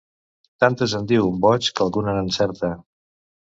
Tantes en diu un boig, que alguna n'encerta.